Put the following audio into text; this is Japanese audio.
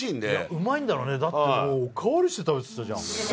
うまいんだろうね、だっておかわりして食べてたじゃん。